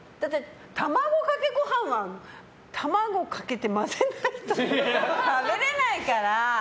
卵かけご飯は卵かけて混ぜないと食べれないから！